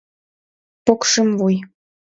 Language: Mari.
Покшымвуй!